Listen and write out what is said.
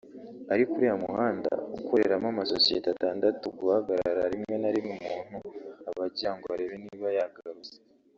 ariko uriya muhanda ukoreramo amasosiyete atandatu guhagarara rimwe na rimwe umuntu aba agirango arebe niba yagaruza